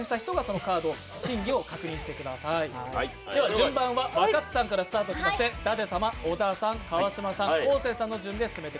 順番は若槻さんからスタートして舘様、小田さん、川島さん、昴生さんの順番です。